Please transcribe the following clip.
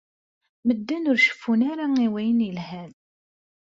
Medden ur ceffun ara i wayen yelhan.